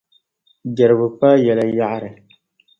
Jɛrigu kpaai yɛla yaɣiri.